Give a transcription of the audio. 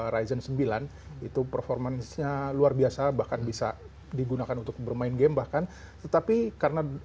ryzen sembilan itu performance nya luar biasa bahkan bisa digunakan untuk bermain game bahkan tetapi karena